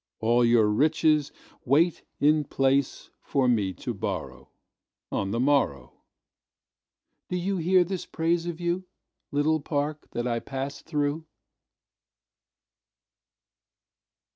All your riches wait in placeFor me to borrowOn the morrow. Do you hear this praise of you, Little park that I pass through?